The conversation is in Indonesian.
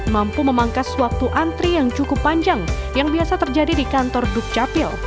mampu memangkas waktu antri yang cukup panjang yang biasa terjadi di kantor dukcapil